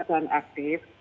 naga kerjaan aktif